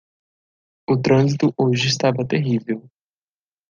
O trânsito hoje estava terrível.